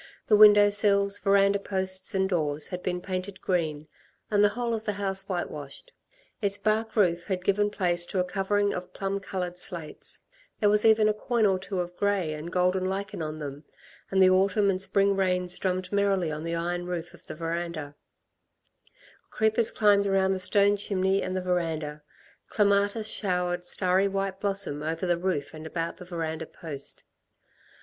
The window sills, verandah posts and doors had been painted green, and the whole of the house whitewashed. Its bark roof had given place to a covering of plum coloured slates; there was even a coin or two of grey and golden lichen on them, and the autumn and spring rains drummed merrily on the iron roof of the verandah. Creepers climbed around the stone chimney and the verandah; clematis showered starry white blossom over the roof and about the verandah post.